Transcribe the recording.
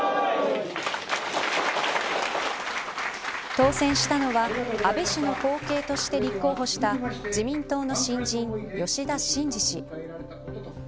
当選したのは、安倍氏の後継として立候補した自民党の新人吉田真次氏。